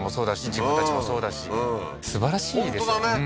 自分たちもそうだしすばらしいですよ本当だね！